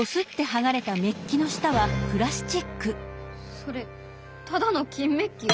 それただの金メッキ？